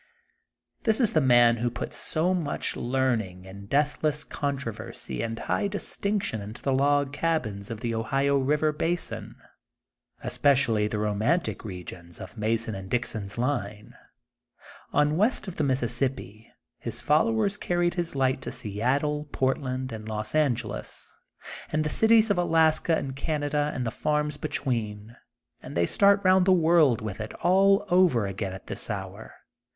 This is the man who put so much learning. n THE GOLDEN BOOK OF SPRINGFIELD 5 and deathless controversy, and high distino tion into the log cabins of the Ohio river basin, especially the romantic regions of Mason and Dixon *s line. On west of the Mis sissippi his followers carried his light to Seattle, Portland, and Los Angeles, and the cities of Alaska and Canada and the farms between. And they start 'round the world with it all over again at this hour.